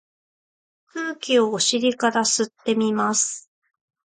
空気をお尻から吸ってみます。